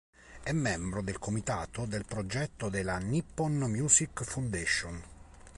È membro del Comitato del Progetto della "Nippon Music Foundation".